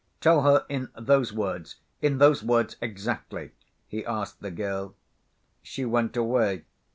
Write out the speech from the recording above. "Tell her in those words, in those words exactly," he asked the girl. She went away.